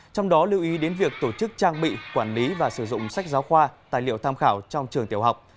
trong đó lưu ý đến việc tổ chức trang bị quản lý và sử dụng sách giáo khoa tài liệu tham khảo trong trường tiểu học